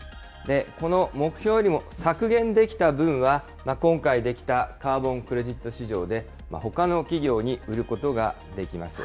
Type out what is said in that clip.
この目標よりも削減できた分は、今回出来たカーボン・クレジット市場でほかの企業に売ることができます。